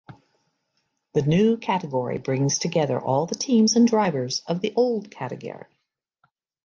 The new category brings together all the teams and drivers of the old category.